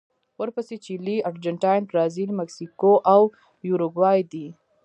ورپسې چیلي، ارجنټاین، برازیل، مکسیکو او یوروګوای دي.